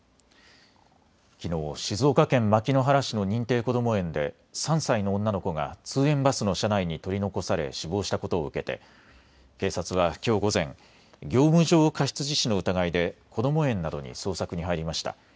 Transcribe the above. きのう静岡県牧之原市の認定こども園で３歳の女の子が通園バスの車内に取り残され死亡したことを受けて警察はきょう午前、業務上過失致死の疑いでこども園などに捜索に入りました。